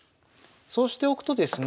そうしておくとですね